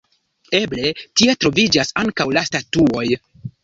Eble tie troviĝas ankaŭ la statuoj?